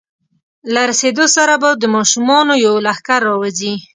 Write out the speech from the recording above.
له رسېدو سره به د ماشومانو یو لښکر راوځي.